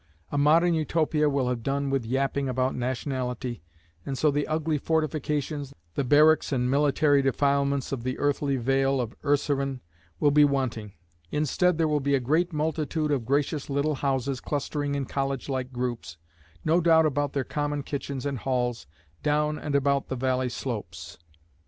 A Modern Utopia will have done with yapping about nationality, and so the ugly fortifications, the barracks and military defilements of the earthly vale of Urseren will be wanting. Instead there will be a great multitude of gracious little houses clustering in college like groups, no doubt about their common kitchens and halls, down and about the valley slopes.